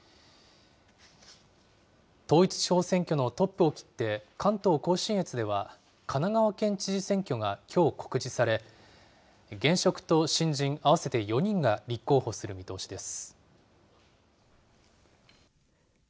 統一地方選挙のトップを切って、関東甲信越では、神奈川県知事選挙が、きょう告示され、現職と新人合わせて４人が立候補する見通しです。